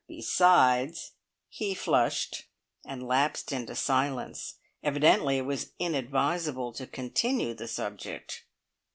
Besides " He flushed, and lapsed into silence. Evidently it was inadvisable to continue the subject.